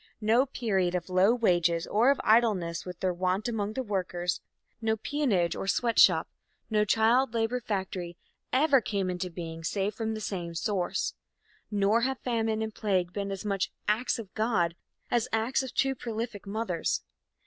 No period of low wages or of idleness with their want among the workers, no peonage or sweatshop, no child labor factory, ever came into being, save from the same source. Nor have famine and plague been as much "acts of God" as acts of too prolific mothers.